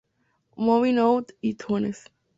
Movin' Out en iTunes